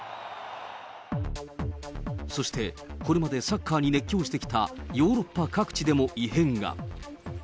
そしてこれまでサッカーに熱狂してきたヨーロッパ各地でも異変が。